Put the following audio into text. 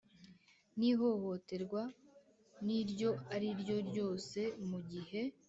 n ihohoterwa iryo ari ryo ryose mu gihe